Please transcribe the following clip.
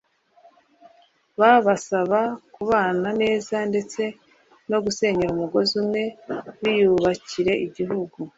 babasaba kubana neza ndetse no gusenyera umugozi umwe biyubakira igihugu